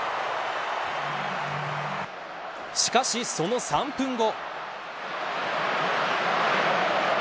しかし、その３分後。